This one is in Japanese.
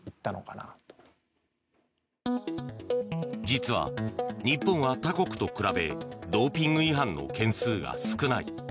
実は日本は他国と比べドーピング違反の件数が少ない。